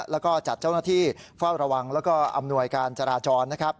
และจัดเจ้าหน้าที่เฝ้าระวังและอำนวยการจราจร